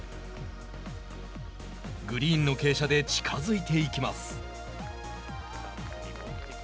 グリーンの傾斜で近づいていきます。